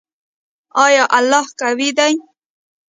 آیا الله قوی دی؟